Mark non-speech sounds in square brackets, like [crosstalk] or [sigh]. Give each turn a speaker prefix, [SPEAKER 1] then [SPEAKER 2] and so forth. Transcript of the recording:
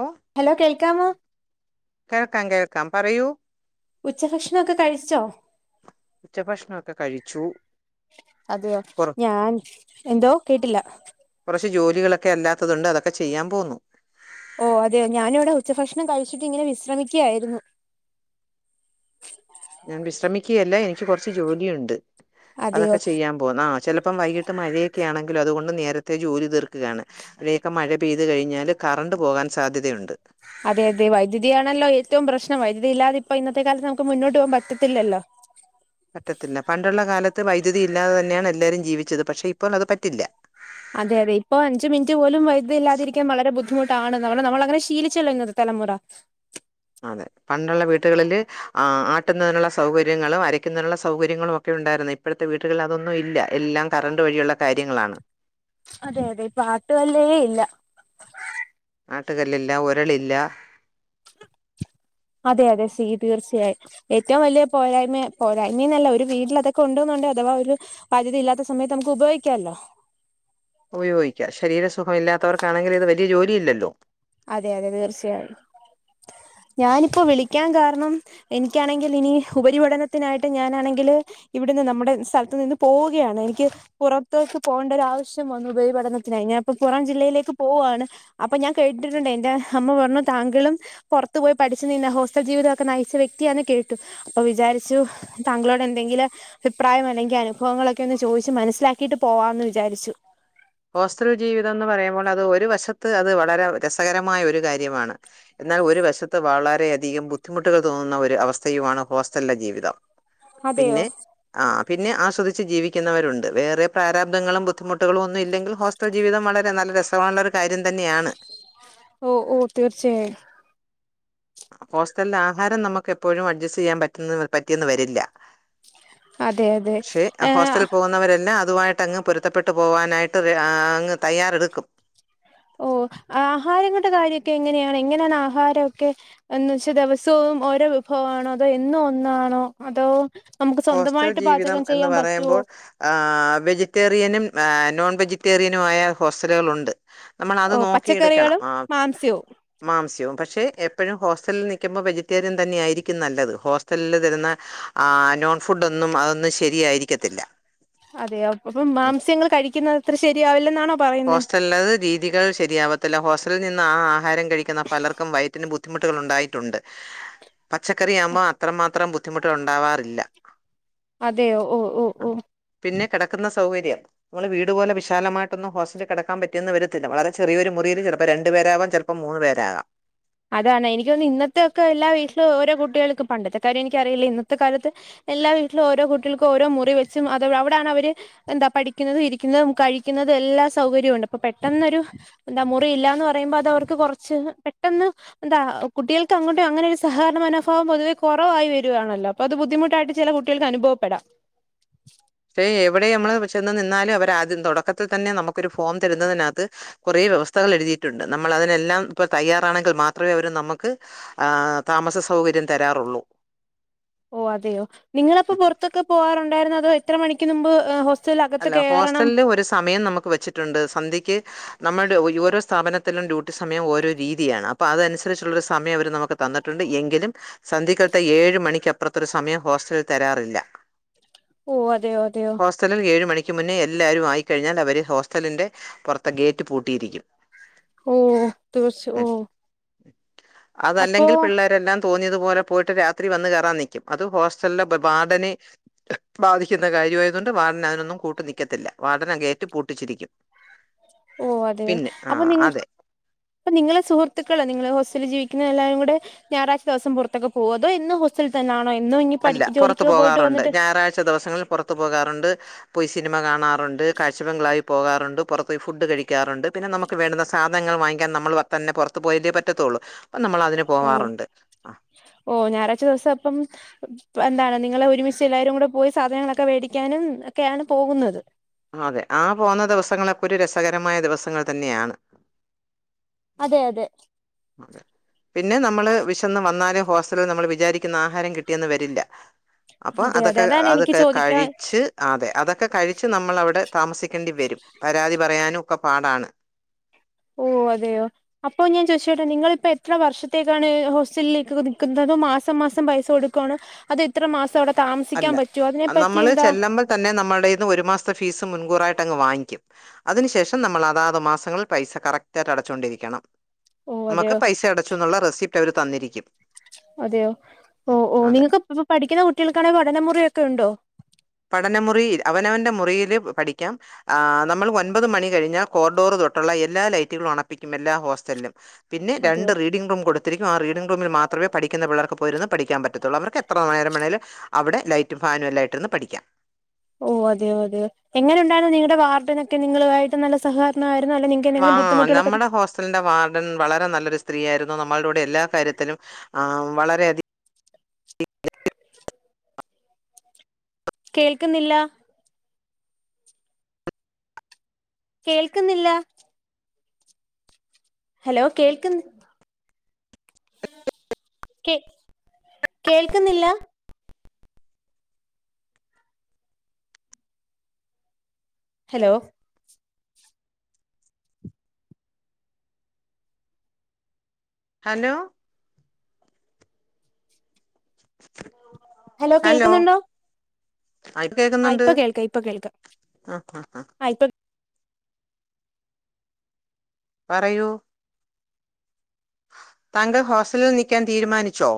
[SPEAKER 1] ഓഹ്
[SPEAKER 2] hello കേൾക്കാമോ?
[SPEAKER 1] കേൾക്കാം കേൾക്കാം പറയൂ
[SPEAKER 2] ഉച്ചഭക്ഷണൊക്കെ കഴിച്ചോ?
[SPEAKER 1] ഉച്ചഭക്ഷണൊക്കെ കഴിച്ചു
[SPEAKER 2] അതെയോ
[SPEAKER 1] കുറ
[SPEAKER 2] ഞാൻ എന്തോ കേട്ടില്ല
[SPEAKER 1] കുറച്ച് ജോലികളൊക്കെ അല്ലാത്തതുണ്ട് അതൊക്കെ ചെയ്യാൻ പോവുന്നു
[SPEAKER 2] ഓഹ് അതെയോ ഞാനിവിടെ ഉച്ചഭക്ഷണം കഴിച്ചിട്ട് ഇങ്ങനെ വിശ്രമിക്കയായിരുന്നു
[SPEAKER 1] ഞാൻ വിശ്രമിക്കയല്ല എനിക്ക് കൊറച്ച് ജോലിയുണ്ട്
[SPEAKER 2] അതെയോ
[SPEAKER 1] അതൊക്കെ ചെയ്യാം പോന്ന ചെലപ്പം വൈകിട്ട് മഴൊക്കൊ ആണെങ്കിലൊ അതുകൊണ്ട് നേരത്തെ ജോലി തീർ ക്ക് ആണ് ഇവിടെയൊക്കെ മഴ പെയ്തു കഴിഞ്ഞാല് കറണ്ട് പോകാൻ സാധ്യതയുണ്ട്
[SPEAKER 2] അതെ അതെ വൈദ്യുതി ആണല്ലോ ഏറ്റവും പ്രശ്നം വൈദ്യുതി ഇല്ലാതെ ഇപ്പോ ഇന്നത്തെ കാലത്ത് നമുക്ക് മുന്നോട്ട് പോകാൻ പറ്റത്തില്ലല്ലോ
[SPEAKER 1] പറ്റത്തില്ല പണ്ടുള്ള കാലത്ത് വൈദ്യുതി ഇല്ലാതെ തന്നെയാണ് എല്ലാവരും ജീവിച്ചത് പക്ഷെ ഇപ്പോൾ അത് പറ്റില്ല
[SPEAKER 2] അതെ അതെ ഇപ്പോ അഞ്ച് മിനിറ്റ് പോലും വൈദ്യുതി ഇല്ലാതിരിക്കാൻ വളരെ ബുദ്ധിമുട്ടാണ് നമ്മള് നമ്മള് അങ്ങനെ ശീലിച്ചല്ലോ ഇന്നത് തലമുറ
[SPEAKER 1] അതെ പണ്ടുള്ള വീട്ടുകളില് ആട്ടുന്നതിനുള്ള സൗകര്യങ്ങളും അരയ്ക്കുന്നതിനുള്ള സൗകര്യങ്ങളും ഒക്കെ ഉണ്ടായിരുന്നേ ഇപ്പഴത്തെ വീട്ടുകളിൽ അതൊന്നും ഇല്ല എല്ലാം കറണ്ട് വഴിയുള്ള കാര്യങ്ങളാണ്
[SPEAKER 2] അതെ അതെ ഇപ്പ ആട്ടുകല്ലേ ഇല്ല
[SPEAKER 1] ആട്ടുകല്ലില്ല ഒരളില്ല
[SPEAKER 2] അതെ അതെ [unintelligible] തീർച്ചയായും ഏറ്റവും വലിയ പോരായ്മ പോരായ്മന്നല്ല ഒരു വീട്ടിൽ അതൊക്കെ ഉണ്ടോന്ന്ണ്ടേ അഥവാ ഒരു ബാധ്യത ഇല്ലാത്ത സമയത്ത് നമുക്ക് ഉപയോഗിക്കാല്ലോ
[SPEAKER 1] ഉപയോഗിക്കാം ശരീരസുഖം ഇല്ലാത്തവർക്കാണെങ്കിൽ ഇത് വലിയ ജോലി ഇല്ലല്ലോ
[SPEAKER 2] അതെ അതെ തീർച്ചയായും ഞാനിപ്പോ വിളിക്കാൻ കാരണം എനിക്കാണെങ്കിൽ ഇനി ഉപരിപഠനത്തിനായിട്ട് ഞാനാണെങ്കില് ഇവിട്ന്ന് നമ്മുടെ സ്ഥലത്തു നിന്ന് പോവുകയാണ് എനിക്ക് പുറത്തേക്ക് പോകേണ്ട ഒരു ആവശ്യം വന്നു ഉപരിപഠനത്തിനായി ഞാൻ പ്പം പുറം ജില്ലയിലേക്ക് പോവാണ് അപ്പൊ ഞാൻ കേട്ടിട്ടുണ്ട് എന്റെ അമ്മ പറഞ്ഞു താങ്കളും പൊറത്ത് പോയി പഠിച്ച് നിന്ന ഹോസ്റ്റൽ ജീവിതൊക്കെ നയിച്ച വ്യക്തിയാ ന്ന് കേട്ടു അപ്പൊ വിചാരിച്ചു താങ്കളോട് എന്തെങ്കിലും അഭിപ്രായം അല്ലെങ്കി അനുഭവങ്ങളൊക്കെ ഒന്ന് ചോദിച്ചു മനസ്സിലാക്കിയിട്ട് പോവാന്ന് വിചാരിച്ചു
[SPEAKER 1] ഹോസ്റ്റൽ ജീവിതം എന്ന് പറയുമ്പോൾ അത് ഒരു വശത്ത് അത് വളരെ രസകരമായ ഒരു കാര്യമാണ് എന്നാൽ ഒരു വശത്ത് വളരെയധികം ബുദ്ധിമുട്ടുകൾ തോന്നുന്ന ഒരു അവസ്ഥയുമാണ് ഹോസ്റ്റൽലെ ജീവിതം
[SPEAKER 2] അതെയോ
[SPEAKER 1] പിന്നെ ആഹ് പിന്നെ ആസ്വദിച്ച് ജീവിക്കുന്നവരുണ്ട് വേറെ പ്രാരാബ്ധങ്ങളും ബുദ്ധിമുട്ടുകളും ഒന്നും ഒന്നും ഇല്ലെങ്കിൽ ഹോസ്റ്റൽ ജീവിതം വളരെ നല്ല രസമുള്ള ഒരു കാര്യം തന്നെയാണ്
[SPEAKER 2] ഓ ഓ തീർച്ചയായും
[SPEAKER 1] ഹോസ്റ്റലില് ആഹാരം നമുക്ക് എപ്പോഴും അഡ്ജസ്റ്റ് ചെയ്യാൻ പറ്റ പറ്റിയെന്ന് വരില്ല
[SPEAKER 2] അതെ അതെ
[SPEAKER 1] ക്ഷെ
[SPEAKER 2] ഏഹ്
[SPEAKER 1] ഹോസ്റ്റലിൽ പോകുന്നവരെന്നെ അതുവായിട്ടങ്ങ് പൊരുത്തപ്പെട്ട് പോകവാനായിട്ട് അങ്ങ് തയ്യാറെടുക്കും
[SPEAKER 2] ഓഹ് ആഹാരങ്ങളുടെ കാര്യൊക്കെ എങ്ങനെയാണ് എങ്ങനാണ് ആഹാരൊക്കെ. എന്ന വച്ചാ ദിവസവും ഓരോ വിഭവമാണോ അതോ എന്നോ ഒന്നാണോ അതോ നമുക്ക് സ്വന്തമായിട്ട് പാചകം ചെയ്യാൻ പറ്റൊ
[SPEAKER 1] ആ വെജിറ്റേറിയനും ഏ നോൺ വെജിറ്റേറിയനുമായ ഹോസ്റ്റലുകളുണ്ട് നമ്മൾ അത്
[SPEAKER 2] ഓ
[SPEAKER 1] നോക്കിയെടുക്കണം
[SPEAKER 2] പച്ചക്കറികളും
[SPEAKER 1] ആ
[SPEAKER 2] മാംസ്യവും
[SPEAKER 1] മാംസ്യവും പക്ഷെ എപ്പോഴും ഹോസ്റ്റലിൽ നിൽക്കുമ്പോ വെജിറ്റേറിയൻ തന്നെയായിരിക്കും നല്ലത് ഹോസ്റ്റലിൽ തരുന്ന ആ നോൺ ഫുഡൊന്നും അതൊന്നും ശരിയായിരിക്കത്തില്ല
[SPEAKER 2] അതെ അപ്പം മാംസ്യങ്ങൾ കഴിക്കുന്നത് അത്ര ശരിയാവില്ലെന്നാണോ പറയുന്നത്
[SPEAKER 1] ഹോസ്റ്റലത് രീതികൾ ശരിയാവത്തില്ല ഹോസ്റ്റലിൽ നിന്ന് ആ ആഹാരം കഴിക്കുന്ന പലർക്കും വയറ്റിന് ബു ബുദ്ധിമുട്ടുകൾ ഉണ്ടായിട്ടുണ്ട് പച്ചക്കറ ആകുമ്പോ അത്രമാത്രം ബുദ്ധിമുട്ടുക ഉണ്ടാവാറില്ല
[SPEAKER 2] അതെ ഓ -ഓ -ഓ
[SPEAKER 1] പിന്നെ കെടക്കുന്ന സൗകര്യം നമ്മള് വീട്പോലെ വിശാലമായിട്ടൊ കടക്കാൻ പറ്റുന്നന്ന് വരത്തില്ല വളരെ ചെറിയരു മുറിയില് ചിലപ്പോ രണ്ട് പേരാവാം ചിലപ്പോ മൂന്നു പേരാകാം
[SPEAKER 2] അതാണ് എനിക്ക് തോന്നണ് ഇന്നത്തെക്കെ എല്ലാ വീട്ടിലും ഓരോ കുട്ടികൾക്കും പണ്ടത്തെ കാര്യ എനിക്ക അറിയില്ല ഇന്നത്തെ കാലത്ത് എല്ലാ വീട്ടിലും ഓരോ കുട്ടികൾക്കും ഓരോ മുറി വെച്ചും അത അവിടണ് അവര് എന്താ പഠിക്കുന്നതും ഇരിക്കുന്നതും കഴിക്കുന്നതും എല്ലാ സൗകര്യവും ഉണ്ട് അപ്പൊ പെട്ടെന്നൊരു എന്താ മുറി ഇലന്ന്‌പറയുമ്പോ അത് അവർക്ക് കുറച്ച് പെട്ടെന്ന് എന്താ കുട്ടികൾക്ക് അങ്ങോട്ടും അങ്ങനെ ഒരു സഹകരണ മനോഭാവം പൊതുവെ കുറവായി വരികയാണല്ലോ അത് ബദ്ധിമുട്ടായിട്ട് ചില കുട്ടികൾക്ക് അനുഭവപ്പെടാം
[SPEAKER 1] പക്ഷേ എവിടെ നമ്മള് ചെന്ന് നിന്നാലും അവർ ആദ്യം തുടക്കത്തിൽ തന്നെ നമുക്കൊരു ഫോം തരുന്നതിനകത്ത് കുറെേ വ്യവസ്ഥകൾ എഴുതിയിട്ടുണ്ട് നമ്മൾ അതിനെല്ലാം ഇപ്പ തയ്യാറാണെങ്കിൽ മാത്രമേ അവര് നമുക്ക് ആ താമസ സൗകര്യം തരാറുള്ളൂ
[SPEAKER 2] ഓ അതെയോ നിങ്ങളപ്പൊ പുറത്തൊക്കെ പോവാറുണ്ടായിരുന്നു അതോ എത്ര മണിക്ക് മുമ്പ് ഹോസ്റ്റലിൽ
[SPEAKER 1] അല്ല ഹോസ്റ്റലില് ഒരു സമയം നമുക്ക് വെച്ചിട്ടുണ്ട് സന്ധ്യക്ക് നമ്മുടെ ഓരോ സ്ഥാപനത്തിലും ഡ്യൂട്ടി സമയം ഓരോ രീതിയാണ് അപ്പൊ അതനുസരിച്ചുള്ളരു സമയം അവർ നമുക്ക് തന്നിട്ട് ണ്ട് എങ്കിലും സന്ധിക്കാലത്തെ ഏഴ് മണിക്കപ്പുറത്തൊരു സമയം ഹോസ്റ്റലിൽ തരാറില്ല
[SPEAKER 2] ഓ അതെയോ അതെയോ
[SPEAKER 1] ഹോസ്റ്റലിൽ ഏഴും മണിക്ക് മുന്നേ എല്ലാവാരും ആയിക്കഴിഞ്ഞാൽ അവര് ഹോസ്റ്റലിന്റെ പുറത്തെ ഗേറ്റ് പൂട്ടിയിരിക്കും
[SPEAKER 2] ഓ തീർച്ച
[SPEAKER 1] ഉം.
[SPEAKER 2] ഓ
[SPEAKER 1] അതല്ലെങ്കിൽ
[SPEAKER 2] അപ്പോ
[SPEAKER 1] പിള്ളേരെല്ലാം തോന്നിയതുപോലെ പോയിട്ട് രാത്രി വന്ന് കയറാൻ നിക്കും അത് ഹോസ്റ്റലില ബാർഡന് ബാധിക്കുന്ന കാര്യമായത കൊണ്ട് വാർഡനായിരുന്നു കൂട്ട് നിക്കത്തില്ല വാർഡന ഗേറ്റ് പൂട്ടിച്ചിരിക്കും
[SPEAKER 2] ഓ അതെയോ
[SPEAKER 1] പിന്നെ ആ
[SPEAKER 2] അപ്പൊ നിങ്ങ
[SPEAKER 1] അതെ
[SPEAKER 2] അപ്പൊ നിങ്ങളെ സുഹൃത്തുക്കളാ നിങ്ങളെ ഹോസ്റ്റലിൽ ജീവിക്കുന്ന എല്ലാരും കൂടെ ഞായറാഴ്ച ദിവസം പുറത്തക്ക പോവോ അതോഎന്നുംഹോസ്റ്റൽ തന്നാണോ ഇന്നും ഞ്ഞ
[SPEAKER 1] അല്ല പുറത്തു പോകാറുണ്ട് ഞായറാഴ്ച ദിവസങ്ങളിൽ പുറത്തു പോകാറുണ്ട് പോയി സിനിമ കാണാറുണ്ട് കാഴ്ചബംഗ്ലളാവിൽ പോകാറുണ്ട് പുറത്ത പോയി ഫുഡ് കഴിക്കാറുണ്ട് പിന്നെ നമുക്ക് ക്ക് വേണ്ടുന്ന സാധനൾ വാങ്ങിക്കാൻ നമ്മൾ തന്നെ പുറത്ത് പോയല്ലേപറ്റത്തുള്ളൂ അപ്പം നമ്മൾ അതിന്
[SPEAKER 2] ഓ
[SPEAKER 1] പോകാറുണ്ട്
[SPEAKER 2] ഓ ഞായറാഴ്ച ദിവസം അപ്പം എന്താണ് നിങ്ങളെ ഒരുമിച്ച് എല്ലാരും കൂടെ പോയി സാധനങ്ങളൊക്കെ മേടിക്കാനും ഒക്കെയാണ് പോകുന്നത്
[SPEAKER 1] ആ പോന്നദിവസങ്ങളൊക്കെ ഒരു രസകരമായ ദിവസങ്ങൾ തന്നെയാണ്
[SPEAKER 2] അതെ അതെ
[SPEAKER 1] അതെ പിന്നെ നമ്മള് വിശന്ന് വന്നാല് ഹോസ്റ്റലിൽ നമ്മൾ വിചാരിക്കുന്ന ആഹാരം കിട്ടിയെന്ന് വരില്ല അപ്പൊ
[SPEAKER 2] അതെ അതെ
[SPEAKER 1] അതൊക്കെ
[SPEAKER 2] അതാണ് എനിക്ക്
[SPEAKER 1] അതൊക്കെ
[SPEAKER 2] ചോദിക്കാൻ
[SPEAKER 1] കഴിച്ച് അതെ അതൊക്കെ കഴിച്ച് നമ്മൾ അവിടെ താമസിക്കേണ്ടി വരും പരാതി പറയാനും ഒക്കെ പാടാണ്
[SPEAKER 2] ഓഹ് അതെയോ അപ്പൊ ഞാൻ ചോയിച്ചോട്ടേ നിങ്ങളിപ്പോ എത്ര വർഷത്തേക്കാണ് ഹോസ്റ്റലിലേക്ക് ഒക്കെ നിൽക്കുന്നത് അതോ മാസം മാസം പൈസ കൊടുക്കുവാണോ അത് എത്ര മാസം അവിടെ താമസിക്കാൻ
[SPEAKER 1] അല്ല
[SPEAKER 2] പറ്റൊ അതിനെപ്പറ്റി
[SPEAKER 1] നമ്മള്
[SPEAKER 2] എന്താ
[SPEAKER 1] ചെല്ലുമ്പോൾ തന്നെ നമ്മുടെ കയ്യിന്ന് ഒരു മാസത്തെ ഫീസ് മുൻകൂറായിട്ട് അങ്ങ് വാങ്ങിക്കും. അതിനുശേഷം നമ്മള് അതാത് മാസങ്ങളിൽ പൈസ കറക്റ്റായിട്ട് അടച്ചു കൊണ്ടിരിക്കണം
[SPEAKER 2] ഓ
[SPEAKER 1] നമ്മക്ക്
[SPEAKER 2] അതെയോ
[SPEAKER 1] പൈസ അടച്ചുന്നുള്ള റെസിപ്റ്റ് അവര് തന്നിരിക്കും
[SPEAKER 2] അതെയോ ഓ ഓ
[SPEAKER 1] അതെ
[SPEAKER 2] നിങ്ങക്ക് ഇപ്പ പഠിക്കുന്ന കുട്ട്യാൾക്ക് ആണെങ്കിൽ പഠനമുറി ഒക്കെ ഉണ്ടോ.
[SPEAKER 1] പഠനമുറിയിൽ അവനവന്റെ മുറിയിയില് പഠിക്കാം ആഹ് നമ്മള് ഒൻപത് മണി കഴിഞ്ഞാൽ കോറിഡോർ തൊട്ടുള്ള എല്ലാ ലൈറ്റുകളും അണപ്പിക്കും എല്ലാ ഹോസ്റ്റലിലും. പിന്നെ
[SPEAKER 2] അതെയോ
[SPEAKER 1] രണ്ട് റീഡിങ് റൂം കൊടുത്ത് ത്തിരിക്കും ആ റീഡിങ്ങ് റൂമിൽ മാത്രമേ പഠിക്കുന്ന പിള്ളേർക്ക് പോയിരുന്നു പഠിക്കാൻ പറ്റത്തുള്ളൂ അവർക്ക് എത്ര നേരം വേണേലും. അവിടെ ലൈറ്റും ഫാനും എല്ലാം ഇട്ട് ഇരുന്ന് പഠിക്കാം
[SPEAKER 2] ഓ അതെയോ അതെയോ എങ്ങനെ ഉണ്ടായിരുന്നു നിങ്ങളുടെ വാർഡനൊക്കെ നിങ്ങള് വായിട്ട് നല്ല സഹകരണായിരുന്നോ അല്ലേ നി
[SPEAKER 1] വാ നമ്മടെ ഹോസ് ൽന്റെ വാർഡൻ വളരെ നല്ലൊരു സ്ത്രീയായിരുന്നു നമ്മളുടെ കൂടെ എല്ലാ കാര്യത്തിലും വളരെയധി
[SPEAKER 2] കേൾക്കുന്നില്ല കേൾക്കുന്നില്ല ഹലോ കേൾക്ക്ന്ന് കേ കേൾക്കുന്നില്ല ഹലോ
[SPEAKER 1] ഹലോ
[SPEAKER 2] ഹലോ കേൾക്കുന്നുണ്ടോ
[SPEAKER 1] ആ ഇപ്പ
[SPEAKER 2] ആ
[SPEAKER 1] കേക്കുന്നുണ്ട്.
[SPEAKER 2] ഇപ്പം കേൾക്കാം ഇപ്പ കേൾക്കാം
[SPEAKER 1] ആ ആ
[SPEAKER 2] ആ ഇപ്പം
[SPEAKER 1] പറയൂ താങ്കൾ ഹോസ്റ്റലിൽ നിൽക്കാൻ തീരുമാനിച്ചോ